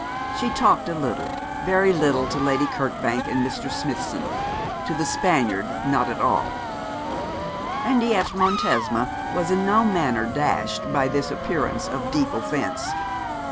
She talked a little, very little to Lady Kirkbank and Mr. Smithson; to the Spaniard not at all. And yet Montesma was in no manner dashed by this appearance of deep offence.